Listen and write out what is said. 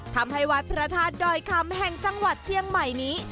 ทำให้วัดพระธาตุดอยคำแห่งจังหวัดเชียงใหม่นี้